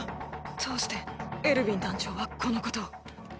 どうしてエルヴィン団長はこのことを。